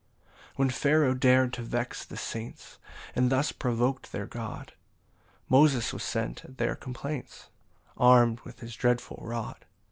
9 When Pharaoh dar'd to vex the saints, And thus provok'd their God, Moses was sent at their complaints, Arm'd with his dreadful rod.